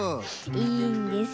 いいんです。